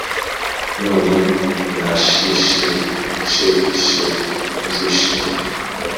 none nashishe nsheshe ibyishimo